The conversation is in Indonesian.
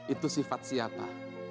itu sifat siapa